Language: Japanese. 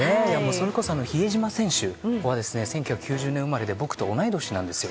それこそ比江島選手は１９９０年生まれで僕と同い年なんですよ。